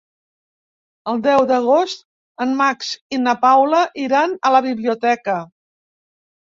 El deu d'agost en Max i na Paula iran a la biblioteca.